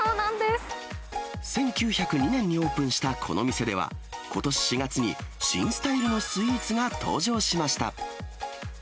１９０２年にオープンしたこの店では、ことし４月に、新スタイルのスイーツが登場しました。